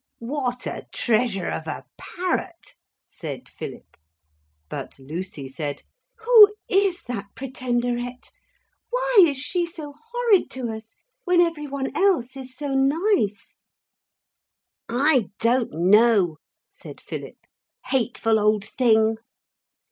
'What a treasure of a parrot?' said Philip. But Lucy said: 'Who is that Pretenderette? Why is she so horrid to us when every one else is so nice?' 'I don't know,' said Philip, 'hateful old thing.'